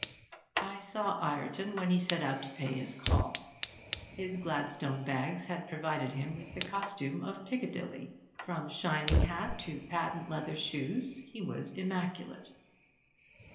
I saw Ireton when he set out to pay his call. His Gladstone bags had provided him with the costume of Piccadilly; from shining hat to patent leather shoes, he was immaculate.